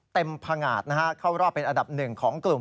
เต็มพังาดเข้ารอบเป็นอันดับ๑ของกลุ่ม